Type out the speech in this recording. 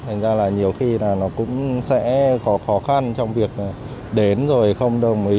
nên là nhiều khi nó cũng sẽ có khó khăn trong việc đến rồi không đồng ý